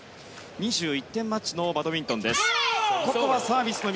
２１点マッチのバドミントン。